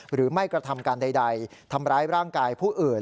หรือไม่กระทำการใดทำร้ายร่างกายผู้อื่น